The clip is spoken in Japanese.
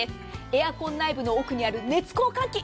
エアコン内部の奥にある熱交換器。